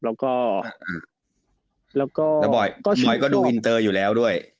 แล้วก็บอยก็ดูอินเตอร์อยู่แล้วด้วย